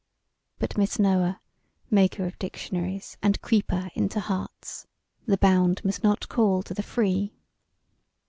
But Miss Noah, maker of dictionaries and creeper into hearts, the bound must not call to the free.